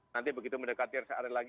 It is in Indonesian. nanti begitu mendekati rest area lagi